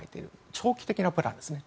長期的なプランですね。